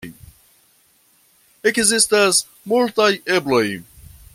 Ekzistas multaj ebloj.